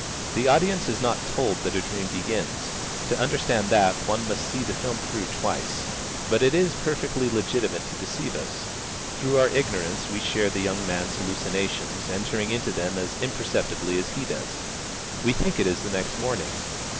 The audience is not told that a dream begins. To understand that, one must see the film through twice. But it is perfectly legitimate to deceive us. Through our ignorance we share the young man's hallucinations, entering into them as imperceptibly as he does. We think it is the next morning.